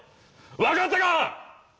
分かったか！